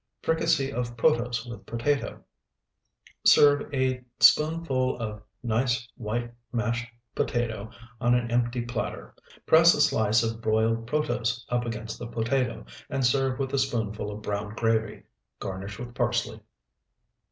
FRICASSEE OF PROTOSE WITH POTATO Serve a spoonful of nice white mashed potato on an empty platter; press a slice of broiled protose up against the potato, and serve with a spoonful of brown gravy. Garnish with parsley.